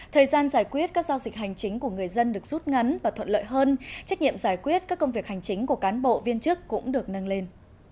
thời gian giải quyết các giao dịch hành chính của người dân được rút ngắn và thuận lợi hơn trách nhiệm giải quyết các công việc hành chính của cán bộ viên chức cũng được nâng lên